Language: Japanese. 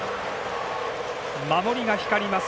守りが光ります